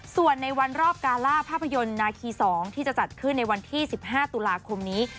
ส่วนในวันรอบกาล่าภาพยนตร์นาคี๒ที่จะจัดขึ้นในวันที่๑๕ตุลาคมนี้